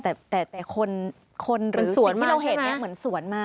แต่คนหรือสวนที่เราเห็นเหมือนสวนมา